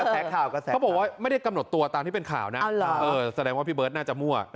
แปลกว่าไม่ได้กำหนดตัวตามที่เป็นข่าวแปลกว่าพี่เบิร์ตน่าจะม้ว